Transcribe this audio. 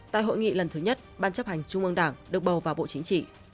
tại hội nghị lần thứ nhất ban chấp hành trung ương đảng được bầu vào bộ chính trị